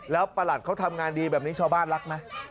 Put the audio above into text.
แล้วประหลัดเขาทำงานดีแบบนี้ชาวบ้านรักไหม